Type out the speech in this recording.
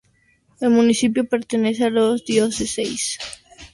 El municipio pertenece a la Diócesis de São João da Boa Vista.